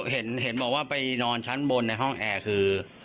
เห็นบอกว่าไปนอนชั้นบนในห้องแอร์คือ